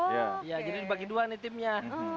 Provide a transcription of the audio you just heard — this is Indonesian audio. jadi dibagi dua nih timnya